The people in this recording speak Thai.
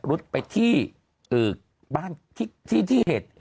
รุดไปที่บ้านที่เห็น